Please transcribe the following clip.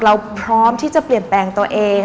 เราพร้อมที่จะเปลี่ยนแปลงตัวเอง